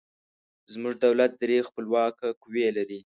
زموږ دولت درې خپلواکه قوې لري.